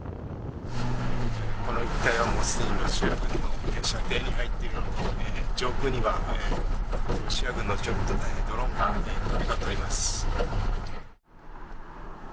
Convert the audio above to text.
ここの一帯は、もうすでにロシア軍の射程圏に入っているので、上空には、ロシア軍のドローンが飛び交っております。